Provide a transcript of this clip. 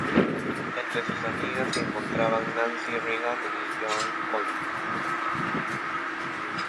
Entre sus amigas se encontraban Nancy Reagan y Joan Collins.